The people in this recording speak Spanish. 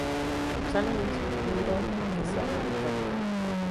Sala Luis Miró Quesada Garland.